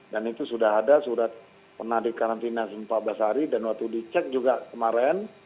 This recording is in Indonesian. dan itu sudah ada surat pernah di karantina empat belas hari dan waktu dicek juga kemarin